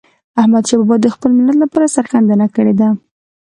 احمدشاه بابا د خپل ملت لپاره سرښندنه کړې ده.